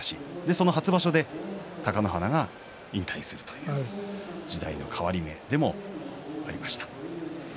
その初場所で貴乃花が引退するという時代の変わり目でもありました。